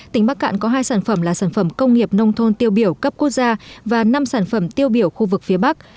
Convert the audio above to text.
tỉnh bắc cạn có hai sản phẩm là sản phẩm công nghiệp nông thôn tiêu biểu cấp quốc gia và năm sản phẩm tiêu biểu khu vực phía bắc